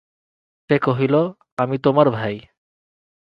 সে কহিল,"আমি তোমার ভাই।"